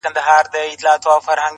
گورې چې دا بېرته پۀ شا، څۀ مطلب